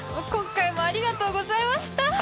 今回もありがとうございました。